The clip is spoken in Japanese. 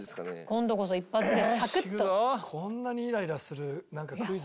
今度こそ一発でサクッと。